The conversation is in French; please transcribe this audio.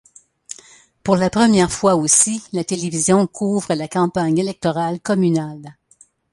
Pour la première fois aussi la télévision couvre la campagne électorale communale.